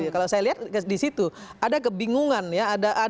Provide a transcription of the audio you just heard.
kalau saya lihat di situ ada kebingungan ya